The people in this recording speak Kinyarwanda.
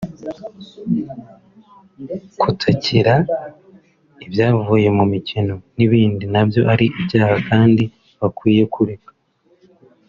kutakira ibyavuye mu mukino n’ibindi nabyo ari icyaha kandi bakwiye kureka